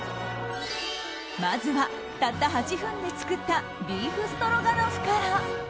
まずは、たった８分で作ったビーフストロガノフから。